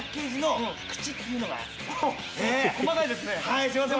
はいすいません